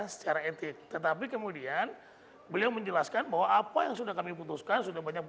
secara etik tetapi kemudian beliau menjelaskan bahwa apa yang sudah kami putuskan sudah banyak